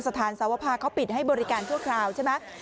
สถานสวภาเขาปิดให้บริการชั่วคราวใช่ไหม